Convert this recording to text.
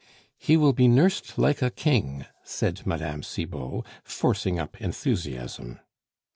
"He will be nursed like a king," said Madame Cibot, forcing up enthusiasm.